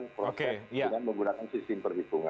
proses dengan menggunakan sistem perhitungan